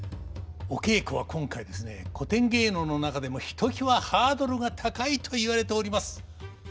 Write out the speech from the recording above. お稽古は今回ですね古典芸能の中でもひときわハードルが高いと言われております能です。